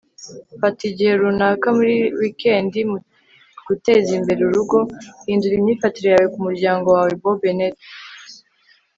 fata igihe runaka muri wikendi mugutezimbere urugo; hindura imyifatire yawe ku muryango wawe. - bo bennett